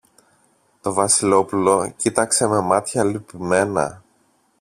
Το Βασιλόπουλο κοίταξε με μάτια λυπημένα